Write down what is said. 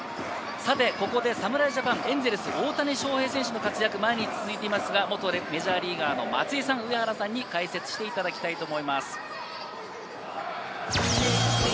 ここで侍ジャパン、エンゼルス・大谷翔平選手の活躍が毎日続いていますが、元メジャーリーグの松井さん、上原さんに解説していただきたいと思います。